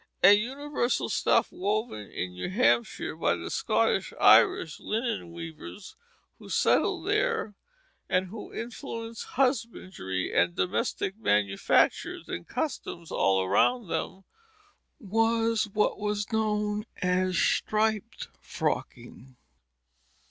A universal stuff woven in New Hampshire by the Scotch Irish linen weavers who settled there, and who influenced husbandry and domestic manufactures and customs all around them, was what was known as striped frocking.